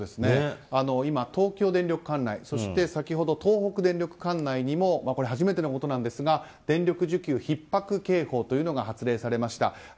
今、東京電力管内そして先ほど東北電力管内にも初めてのことですが電力需給ひっ迫警報というのが発令されました。